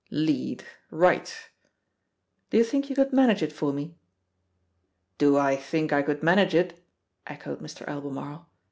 "Lead. Right!" Do you think you could manage it for me? *T)o I think I could manage it?" echoed Mr. Albemarle.